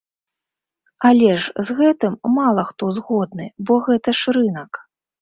Але з гэтым мала хто згодны, бо гэта ж рынак.